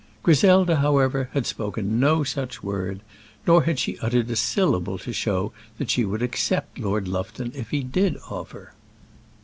Griselda, however, had spoken no such word, nor had she uttered a syllable to show that she would accept Lord Lufton if he did offer.